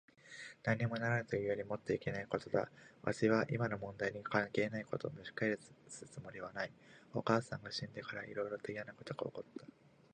なんにもならぬというよりもっといけないことだ。わしは今の問題に関係ないことをむし返すつもりはない。お母さんが死んでから、いろいろといやなことが起った。